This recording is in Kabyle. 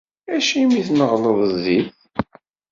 Acimi tneɣleḍ zzit?